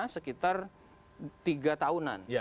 sekitar tiga tahunan